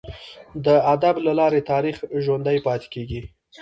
د ادب له لاري تاریخ ژوندي پاته کیږي.